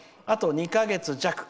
「あと２か月弱。